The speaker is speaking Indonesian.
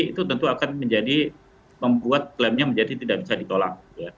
itu tentu akan menjadi membuat klaimnya menjadi tidak bisa ditolak